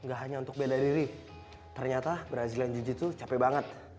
nggak hanya untuk beda diri ternyata berhasil yang jujur itu capek banget